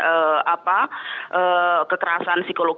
kekerasan psikologi dan kekerasan psikologi